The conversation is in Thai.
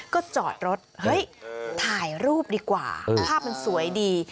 ก็จอดรถเฮ้ยถ่ายรูปดีกว่าภาพมันสวยดี